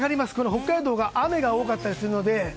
北海道が雨が多かったりするので。